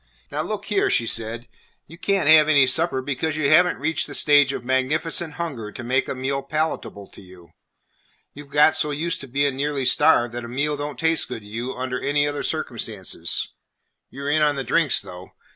"Now look here," she said, "you can't have any supper because you have n't reached the stage of magnificent hunger to make a meal palatable to you. You 've got so used to being nearly starved that a meal don't taste good to you under any other circumstances. You 're in on the drinks, though.